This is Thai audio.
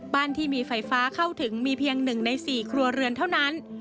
ที่มีไฟฟ้าเข้าถึงมีเพียง๑ใน๔ครัวเรือนเท่านั้น